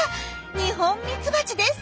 ニホンミツバチです。